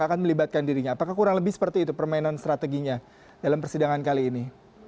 akan melibatkan dirinya apakah kurang lebih seperti itu permainan strateginya dalam persidangan kali ini